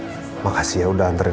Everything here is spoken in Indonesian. udahantarin aku ke box instagram